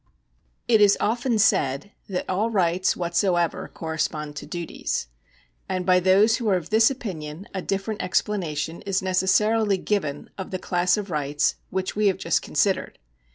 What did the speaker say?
It is often said that all rights whatsoever correspond to duties ; and by those who are of this opinion a different explanation is necessarily given of the class of rights which we have just considered.